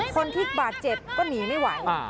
คนที่บาดเจ็บก็หนีไม่ไหว